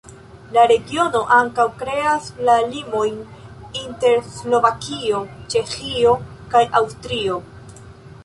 La regiono ankaŭ kreas la limojn inter Slovakio, Ĉeĥio kaj Aŭstrio.